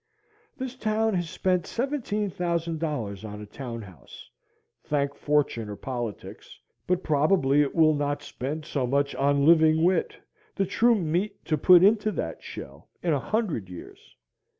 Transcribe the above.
This town has spent seventeen thousand dollars on a town house, thank fortune or politics, but probably it will not spend so much on living wit, the true meat to put into that shell, in a hundred years.